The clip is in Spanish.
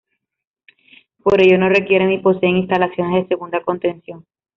Por ello no requieren ni poseen instalaciones de segunda contención.